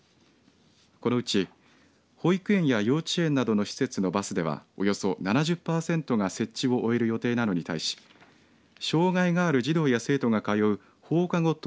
このうち保育園や幼稚園などの施設のバスではおよそ７０パーセントが設置を終える予定なのに対し障害がある児童や生徒が通う放課後等